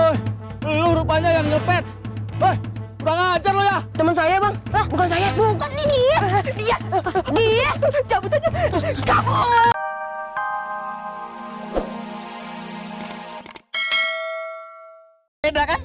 lalu rupanya yang lepet hai kurang ajar lo ya teman saya bang bukan saya bukan ini dia dia